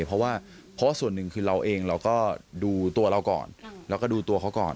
เพราะว่าเพราะว่าส่วนหนึ่งคือเราเองเราก็ดูตัวเราก่อนแล้วก็ดูตัวเขาก่อน